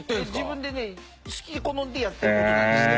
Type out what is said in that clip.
自分でね好き好んでやってる事なんですね。